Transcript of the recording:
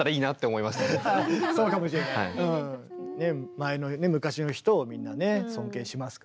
前のね昔の人をみんなね尊敬しますからね。